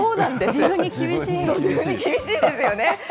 自分に厳しいんですよね。